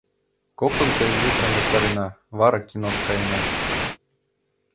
Коктын пел-литрым ястарена, вара кинош каена.